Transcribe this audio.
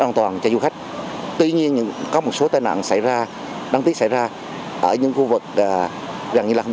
an toàn cho du khách tuy nhiên có một số tai nạn đáng tiếc xảy ra ở những khu vực gần như là không